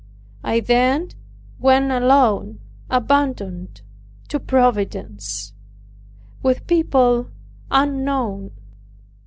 I then went alone, abandoned to Providence, with people unknown.